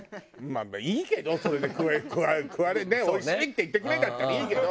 いいけどそれで食われて「おいしい」って言ってくれるんだったらいいけど。